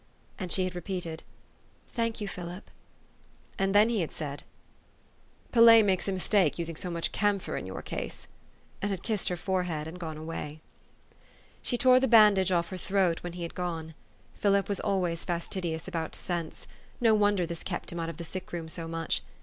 " And she had repeated, " Thank you, Philip !" And then he had said, " Pellet makes a mistake using so much camphor in your case," and had kissed her forehead, and gone away. THE STORY OF AVIS. 333 She tore the bandage off her throat when he had gone. Philip was always fastidious about scents ; no wonder this kept him out of the sick room so much.